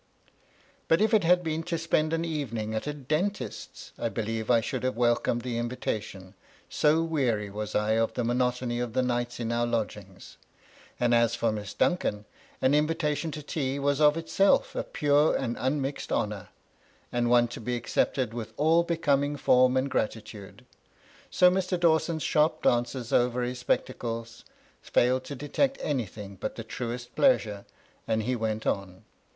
But if it had been to spend an evening at a dentist 8, 1 believe I should have welcomed the invita tion, so weary was I of the monotony of the nights in our lodgings ; and as for Miss Duncan, an invitation to tea was of itself a pure and unmixed honour, and one to be accepted with all becoming form and grati tude : so Mr. Dawson's sharp glances over his specta cles failed to detect anything but the truest pleasure, and he went on.